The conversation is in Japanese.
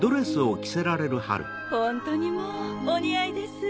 ホントにもうお似合いです。